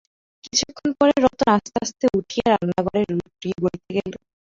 কিছুক্ষণ পরে রতন আস্তে আস্তে উঠিয়া রান্নঘরে রুটি গড়িতে গেল।